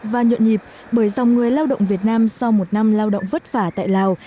và nhuận nhịp bởi dòng người lao động việt nam sau một năm lao động vất vả tại lào